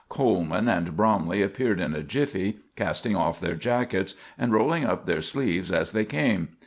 Coleman and Bromley appeared in a jiffy, casting off their jackets and rolling up their sleeves as they came.